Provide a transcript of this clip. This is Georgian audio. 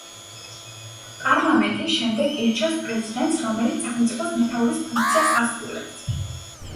პარლამენტი შემდეგ ირჩევს პრეზიდენტს, რომელიც სახელმწიფოს მეთაურის ფუნქციას ასრულებს.